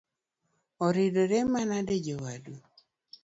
Oridore manade jowadu?